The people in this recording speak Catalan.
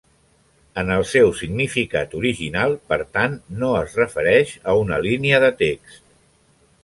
En el seu significat original, per tant, no es refereix a una línia de text.